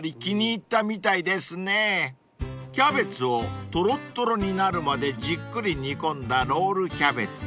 ［キャベツをとろっとろになるまでじっくり煮込んだロールキャベツ］